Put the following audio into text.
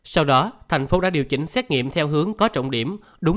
sau đó thành phố đã điều chỉnh xét nghiệm theo hướng có trọng điểm đúng